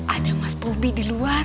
ada mas bobi di luar